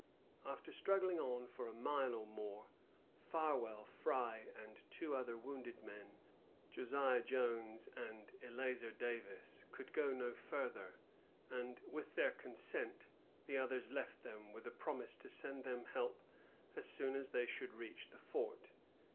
After struggling on for a mile or more, Farwell, Frye, and two other wounded men, Josiah Jones and Eleazer Davis, could go no farther, and, with their consent, the others left them, with a promise to send them help as soon as they should reach the fort.